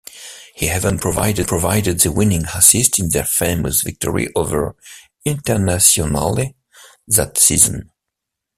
He even provided the winning assist in their famous victory over Internazionale that season.